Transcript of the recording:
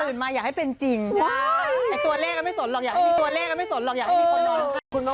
ตื่นมาอย่าให้เป็นจริงตัวแรกก็ไม่สนหรอกอยากให้มีตัวแรกก็ไม่สนหรอก